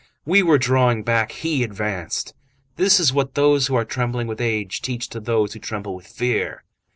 We were drawing back, he advanced! This is what those who are trembling with age teach to those who tremble with fear!